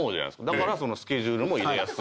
だからスケジュールも入れやすいって。